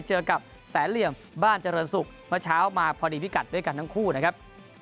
เจอกับแสนเหลี่ยมบ้านเจริญศุกร์เมื่อเช้ามาพอดีพิกัดด้วยกันทั้งคู่นะครับ